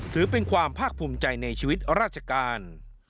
ถือเป็นความภาคภูมิใจในชีวิตราชการ